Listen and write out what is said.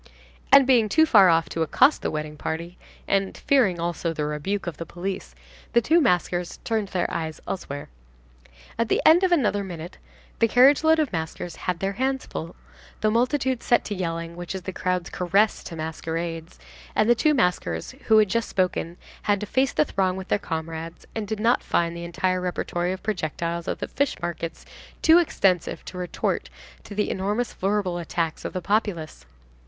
And, being too far off to accost the wedding party, and fearing also, the rebuke of the police, the two maskers turned their eyes elsewhere. At the end of another minute, the carriage load of maskers had their hands full, the multitude set to yelling, which is the crowd's caress to masquerades; and the two maskers who had just spoken had to face the throng with their comrades, and did not find the entire repertory of projectiles of the fishmarkets too extensive to retort to the enormous verbal attacks of the populace.